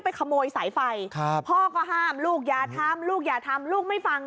ขโมยสายไฟพ่อก็ห้ามลูกอย่าทำลูกอย่าทำลูกไม่ฟัง